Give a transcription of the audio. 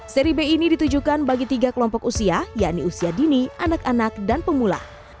seri b ini ditujukan bagi tiga kelompok usia yakni usia dini anak anak dan pemula